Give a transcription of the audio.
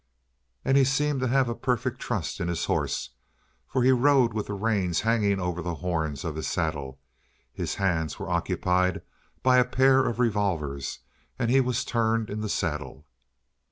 And he seemed to have a perfect trust in his horse, for he rode with the reins hanging over the horns of his saddle. His hands were occupied by a pair of revolvers, and he was turned in the saddle.